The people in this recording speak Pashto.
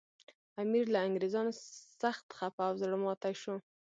امیر له انګریزانو سخت خپه او زړه ماتي شو.